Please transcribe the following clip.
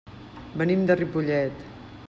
Venim de Ripollet.